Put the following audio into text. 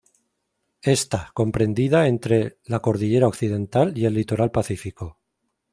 Esta comprendida entre la cordillera Occidental y el litoral Pacífico.